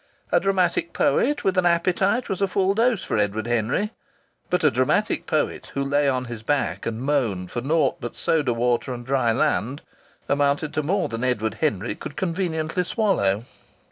A dramatic poet with an appetite was a full dose for Edward Henry; but a dramatic poet who lay on his back and moaned for naught but soda water and dry land amounted to more than Edward Henry could conveniently swallow.